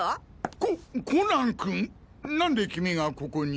ココナン君なんで君がここに？